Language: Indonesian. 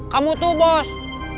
kamu tuh bos